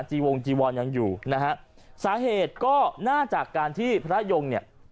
วงจีวรยังอยู่นะฮะสาเหตุก็น่าจะการที่พระยงเนี่ย